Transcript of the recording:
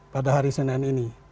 pada hari senin ini